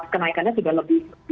kenaikannya sudah lebih